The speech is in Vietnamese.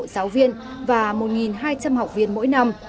giáo viên và một hai trăm linh học viên mỗi năm